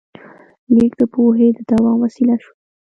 لیک د پوهې د دوام وسیله شوه.